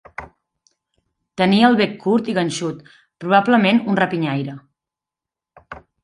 Tenia el bec curt i ganxut, probablement un rapinyaire.